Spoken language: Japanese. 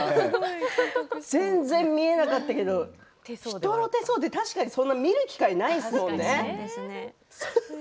全然見えなかったけど人の手相は確かにそんなに見る機会ないですものね。